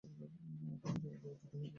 পাহাড়ে আগেও যুদ্ধ হয়েছে।